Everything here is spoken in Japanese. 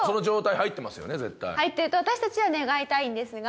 入ってると私たちは願いたいんですが。